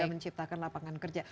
dan juga menciptakan lapangan kerja